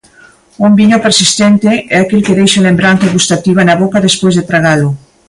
Un viño persistente é aquel que deixa lembranza gustativa na boca despois de tragalo.